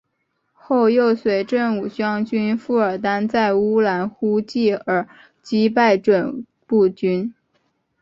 后又随振武将军傅尔丹在乌兰呼济尔击败准部军。